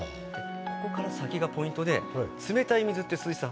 ここから先がポイントで冷たい水って鈴井さん